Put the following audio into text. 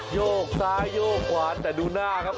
โยกซ้ายโยกขวาแต่ดูหน้าครับ